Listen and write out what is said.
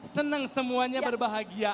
seneng semuanya berbahagia